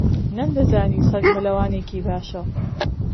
نەمدەزانی سەگ مەلەوانێکی باشە.